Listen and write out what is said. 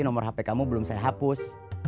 nomor hp kamu belum saya hapus